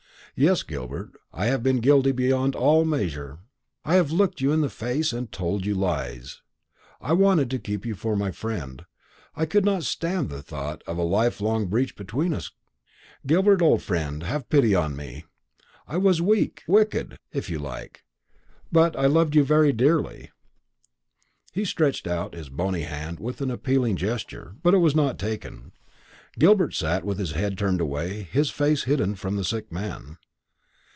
Yes, Gilbert, I have been guilty beyond all measure. I have looked you in the face and told you lies. I wanted to keep you for my friend; I could not stand the thought of a life long breach between us. Gilbert, old friend, have pity on me. I was weak wicked, if you like but I loved you very dearly." He stretched out his bony hand with an appealing gesture, but it was not taken. Gilbert sat with his head turned away, his face hidden from the sick man.